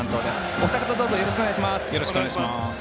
お二方どうぞよろしくお願いします。